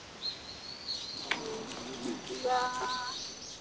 こんにちは。